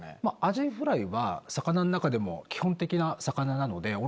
まぁアジフライは魚の中でも基本的な魚なので。